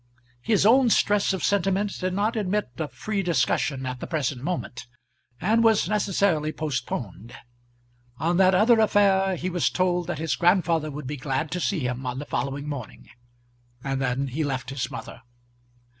His own stress of sentiment did not admit of free discussion at the present moment, and was necessarily postponed. On that other affair he was told that his grandfather would be glad to see him on the following morning; and then he left his mother.